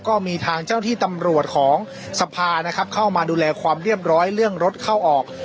ก็มีทางเจ้าที่ตำรวจของสภานะครับเข้ามาดูแลความเรียบร้อยเรื่องรถเข้าออก